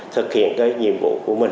thực hiện cái nhiệm vụ của mình